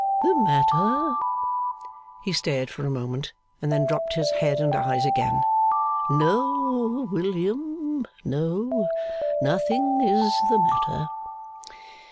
'The matter?' He stared for a moment, and then dropped his head and eyes again. 'No, William, no. Nothing is the matter.